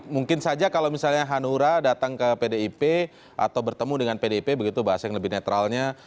mungkin saja kalau misalnya hanura datang ke pdip atau bertemu dengan pdip begitu bahasa yang lebih netralnya